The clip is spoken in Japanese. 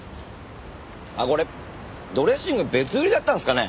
あっこれドレッシング別売りだったんですかね。